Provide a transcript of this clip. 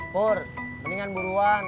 purnya mendingan buruan